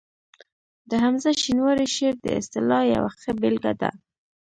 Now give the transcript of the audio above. د حمزه شینواري شعر د اصطلاح یوه ښه بېلګه ده